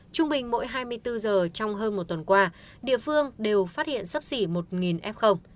trung bình mỗi hai mươi bốn giờ trong hơn một tuần qua địa phương đều phát hiện sấp xỉ một f